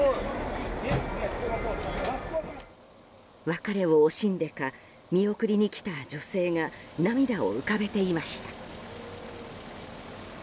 別れを惜しんでか見送りに来た女性が涙を浮かべていました。